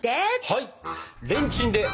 はい！